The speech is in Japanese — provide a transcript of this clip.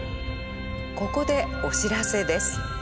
ここでお知らせです。